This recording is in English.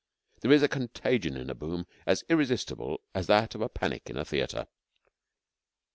There is a contagion in a boom as irresistible as that of a panic in a theatre.